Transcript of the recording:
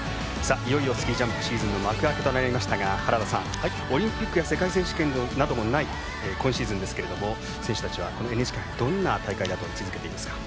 いよいよスキー・ジャンプシーズンの幕開けとなりましたが原田さん、オリンピックや世界選手権などもない今シーズンですけれども選手たちは、このＮＨＫ杯どんな大会だと位置づけていますか？